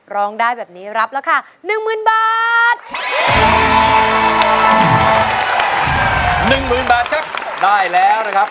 ร้องได้แบบนี้รับแล้วค่ะ